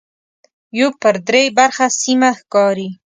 یو پر درې برخه سیمه ښکاري.